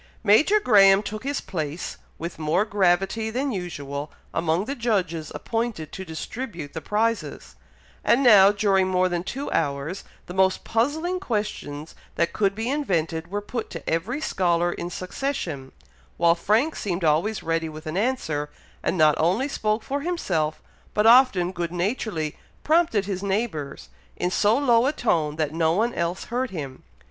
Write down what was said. Major Graham took his place, with more gravity than usual, among the judges appointed to distribute the prizes; and now, during more than two hours, the most puzzling questions that could be invented were put to every scholar in succession, while Frank seemed always ready with an answer, and not only spoke for himself, but often good naturedly prompted his neighbours, in so low a tone that no one else heard him.